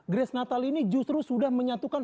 grace natali ini justru sudah menyatukan